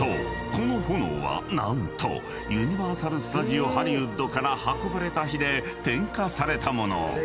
この炎は何とユニバーサル・スタジオ・ハリウッドから運ばれた火で点火されたもの］